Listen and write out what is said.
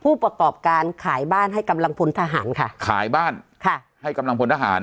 ผู้ประกอบการขายบ้านให้กำลังพลทหารค่ะขายบ้านค่ะให้กำลังพลทหาร